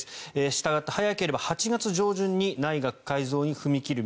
したがって早ければ８月上旬に内閣改造に踏み切る